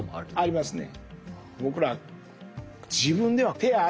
ありますね。